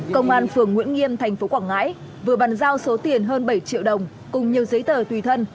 công an phường nguyễn nghiêm tp quảng ngãi vừa bàn giao số tiền hơn bảy triệu đồng cùng nhiều giấy tờ tùy thân